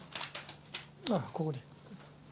ああここに。